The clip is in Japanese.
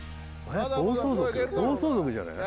・暴走族じゃねえ？